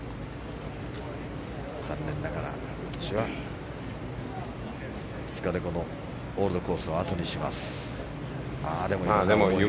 残念ながら、今年は２日でオールドコースを後にします。